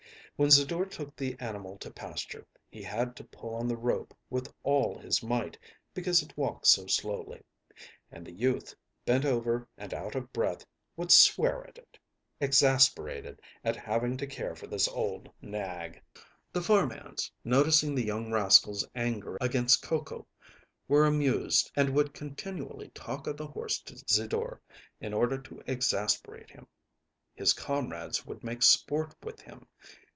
When Zidore took the animal to pasture, he had to pull on the rope with all his might, because it walked so slowly; and the youth, bent over and out of breath, would swear at it, exasperated at having to care for this old nag. The farmhands, noticing the young rascal's anger against Coco, were amused and would continually talk of the horse to Zidore, in order to exasperate him. His comrades would make sport with him.